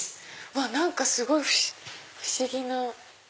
何かすごい不思議な。